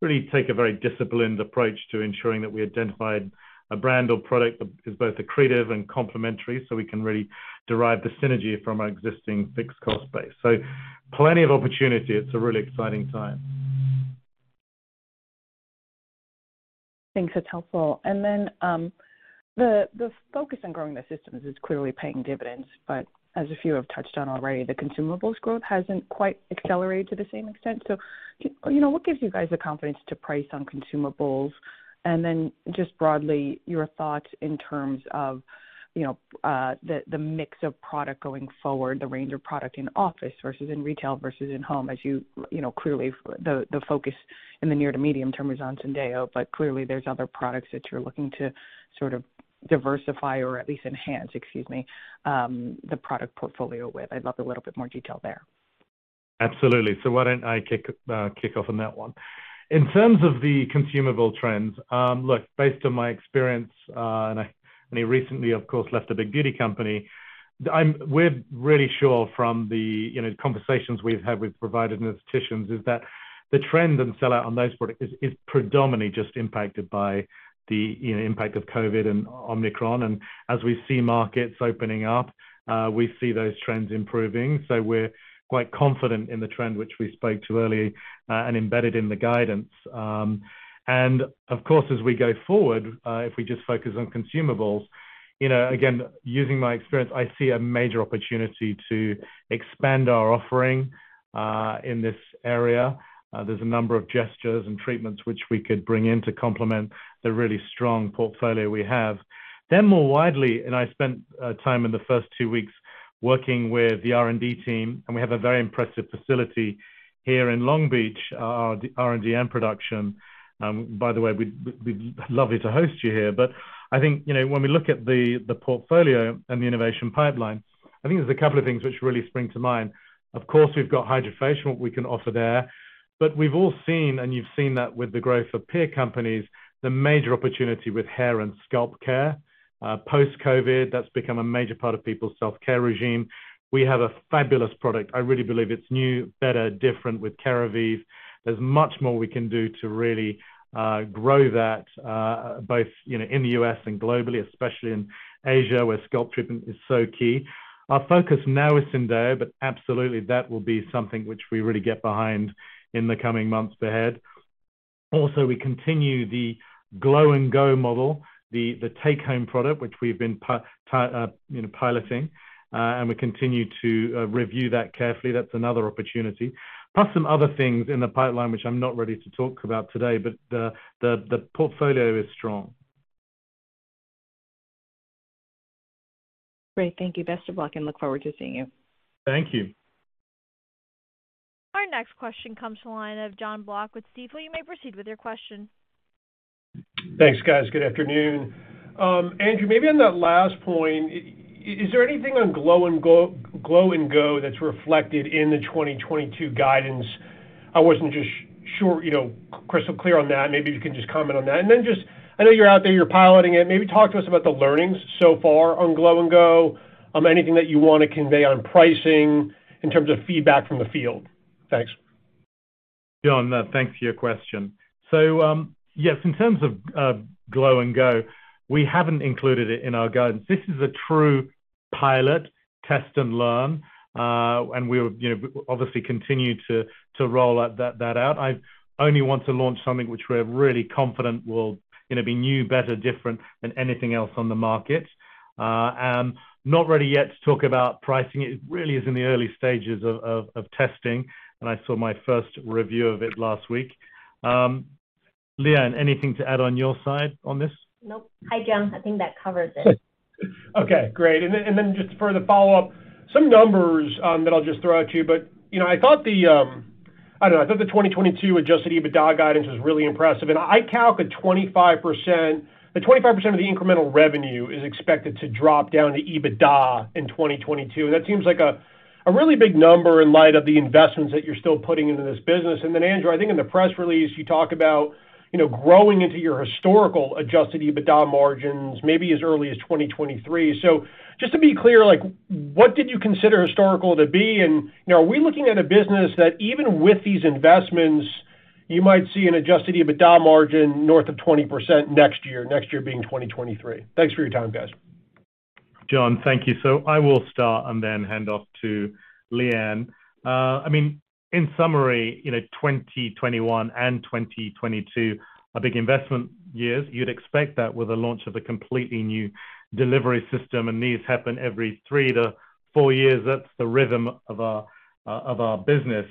really take a very disciplined approach to ensuring that we identified a brand or product that is both accretive and complementary, so we can really derive the synergy from our existing fixed cost base. Plenty of opportunity. It's a really exciting time. Thanks. That's helpful. The focus on growing the systems is clearly paying dividends, but as a few have touched on already, the consumables growth hasn't quite accelerated to the same extent. You know, what gives you guys the confidence to price on consumables? Just broadly, your thoughts in terms of, you know, the mix of product going forward, the range of product in office versus in retail versus in home, as you know, clearly the focus in the near to medium term is on Syndeo, but clearly there's other products that you're looking to sort of diversify or at least enhance the product portfolio with. I'd love a little bit more detail there. Absolutely. Why don't I kick off on that one. In terms of the consumable trends, look, based on my experience, and I recently, of course, left a big beauty company. We're really sure from the, you know, conversations we've had with providers and estheticians is that the trend and sellout on those products is predominantly just impacted by the, you know, impact of COVID and Omicron. As we see markets opening up, we see those trends improving. We're quite confident in the trend which we spoke to earlier, and embedded in the guidance. Of course, as we go forward, if we just focus on consumables, you know, again, using my experience, I see a major opportunity to expand our offering, in this area. There's a number of devices and treatments which we could bring in to complement the really strong portfolio we have. More widely, I spent time in the first two weeks working with the R&D team, and we have a very impressive facility here in Long Beach, our R&D and production. By the way, we'd love to host you here. I think, you know, when we look at the portfolio and the innovation pipeline, I think there's a couple of things which really spring to mind. Of course, we've got HydraFacial we can offer there. We've all seen, and you've seen that with the growth of peer companies, the major opportunity with hair and scalp care. Post-COVID, that's become a major part of people's self-care regimen. We have a fabulous product. I really believe it's new, better, different with Keravive. There's much more we can do to really grow that, both, you know, in the U.S. and globally, especially in Asia, where scalp treatment is so key. Our focus now is Syndeo, but absolutely, that will be something which we really get behind in the coming months ahead. Also, we continue the Glow and Go model, the take-home product, which we've been piloting, and we continue to review that carefully. That's another opportunity. Plus some other things in the pipeline, which I'm not ready to talk about today, but the portfolio is strong. Great. Thank you. Best of luck, and look forward to seeing you. Thank you. Our next question comes from the line of Jon Block with Stifel. You may proceed with your question. Thanks, guys. Good afternoon. Andrew, maybe on that last point, is there anything on Glow and Go that's reflected in the 2022 guidance? I just wasn't sure, you know, crystal clear on that. Maybe you can just comment on that. Just I know you're out there, you're piloting it. Maybe talk to us about the learnings so far on Glow and Go, anything that you wanna convey on pricing in terms of feedback from the field. Thanks. Jon, thanks for your question. Yes, in terms of Glow and Go, we haven't included it in our guidance. This is a true pilot test and learn, and we'll you know obviously continue to roll that out. I only want to launch something which we're really confident will you know be new, better, different than anything else on the market. Not ready yet to talk about pricing. It really is in the early stages of testing, and I saw my first review of it last week. Liyuan, anything to add on your side on this? Nope. Hi, Jon. I think that covers it. Okay, great. Just for the follow-up, some numbers that I'll just throw out to you. You know, I thought the I don't know, I thought the 2022 adjusted EBITDA guidance was really impressive. I calculated 25%. The 25% of the incremental revenue is expected to drop down to EBITDA in 2022, and that seems like a really big number in light of the investments that you're still putting into this business. Andrew, I think in the press release you talk about, you know, growing into your historical adjusted EBITDA margins maybe as early as 2023. Just to be clear, like, what did you consider historical to be? You know, are we looking at a business that even with these investments, you might see an adjusted EBITDA margin north of 20% next year, next year being 2023? Thanks for your time, guys. Jon, thank you. I will start and then hand off to Liyuan. I mean, in summary, you know, 2021 and 2022 are big investment years. You'd expect that with the launch of a completely new delivery system, and these happen every three to four years. That's the rhythm of our business.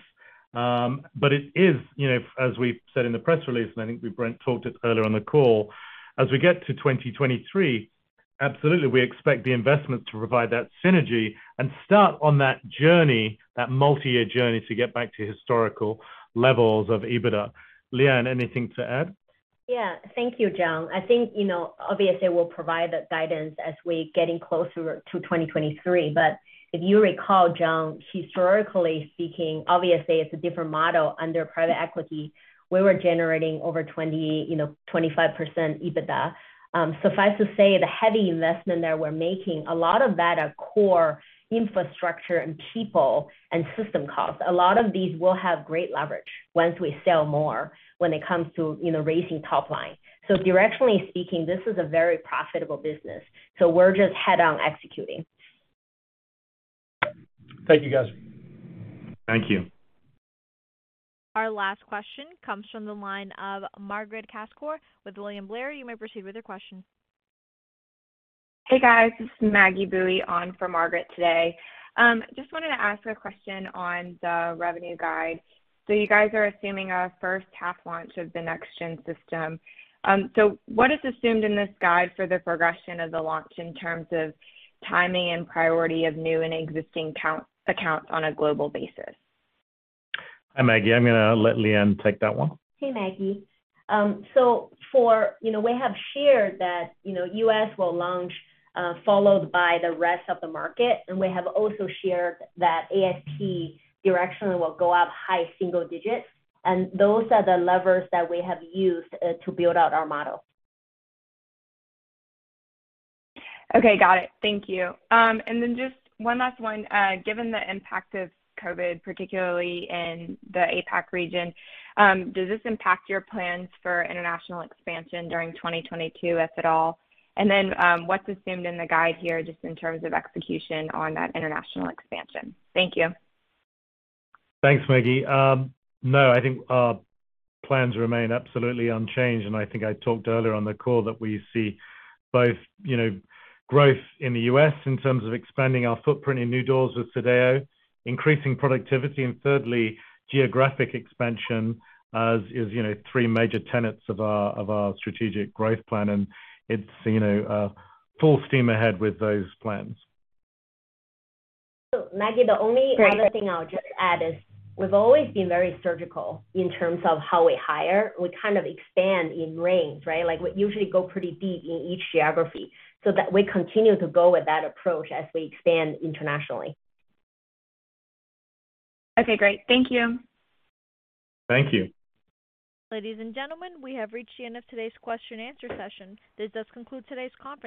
It is, you know, as we said in the press release, and I think Brent talked about it earlier on the call, as we get to 2023, absolutely, we expect the investment to provide that synergy and start on that journey, that multi-year journey to get back to historical levels of EBITDA. Liyuan, anything to add? Yeah. Thank you, Jon. I think, you know, obviously we'll provide the guidance as we're getting closer to 2023, but if you recall, Jon, historically speaking, obviously it's a different model under private equity. We were generating over 25% EBITDA. Suffice to say, the heavy investment that we're making, a lot of that are core infrastructure and people and system costs. A lot of these will have great leverage once we sell more when it comes to, you know, raising top line. Directionally speaking, this is a very profitable business, so we're just head on executing. Thank you, guys. Thank you. Our last question comes from the line of Margaret Kaczor with William Blair. You may proceed with your question. Hey, guys, this is Maggie Boeye on for Margaret today. Just wanted to ask a question on the revenue guide. You guys are assuming a first half launch of the next-gen system. What is assumed in this guide for the progression of the launch in terms of timing and priority of new and existing accounts on a global basis? Hi, Maggie. I'm gonna let Liyuan take that one. Hey, Maggie. You know, we have shared that U.S. will launch followed by the rest of the market. We have also shared that ASP directionally will go up high single digits, and those are the levers that we have used to build out our model. Okay, got it. Thank you. Just one last one. Given the impact of COVID, particularly in the APAC region, does this impact your plans for international expansion during 2022, if at all? What's assumed in the guide here just in terms of execution on that international expansion? Thank you. Thanks, Maggie. No, I think our plans remain absolutely unchanged, and I think I talked earlier on the call that we see both, you know, growth in the U.S. in terms of expanding our footprint in new doors with Syndeo, increasing productivity, and thirdly, geographic expansion as you know, three major tenets of our strategic growth plan, and it's, you know, full steam ahead with those plans. Maggie, the only other thing I'll just add is we've always been very surgical in terms of how we hire. We kind of expand in range, right? Like we usually go pretty deep in each geography so that we continue to go with that approach as we expand internationally. Okay, great. Thank you. Thank you. Ladies and gentlemen, we have reached the end of today's question and answer session. This does conclude today's conference.